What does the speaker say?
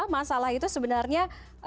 masalah itu sebenarnya